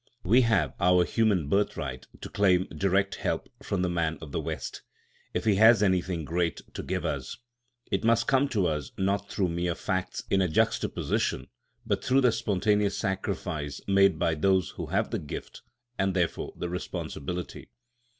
We have our human birthright to claim direct help from the man of the West, if he has anything great to give us. It must come to us, not through mere facts in a juxtaposition, but through the spontaneous sacrifice made by those who have the gift, and therefore the responsibility.